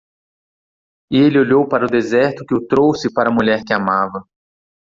E ele olhou para o deserto que o trouxe para a mulher que amava.